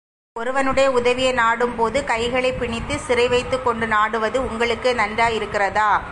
ஒருவனுடைய உதவியை நாடும்போது கைகளைப் பிணித்துச் சிறைவைத்துக்கொண்டு நாடுவது உங்களுக்கே நன்றாயிருக்கிறதா?